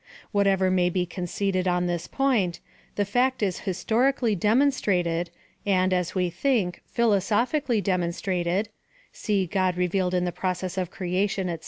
Whatever may be conceded on this point, the fact is historically demonstrated, and, as we think, philosophically demonstrated, (see God Revealed in the Process of Creation, &c..